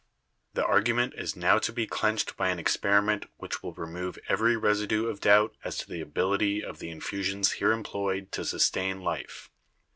"The argument is now to be clenched by an experiment which will remove every residue of doubt as to the ability of the infusions here employed to sustain life.